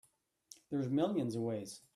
There's millions of ways.